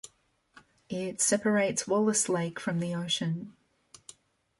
It separates Wallis Lake from the ocean.